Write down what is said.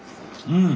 うん！